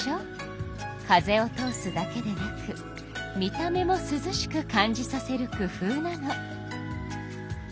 風を通すだけでなく見た目もすずしく感じさせる工夫なの。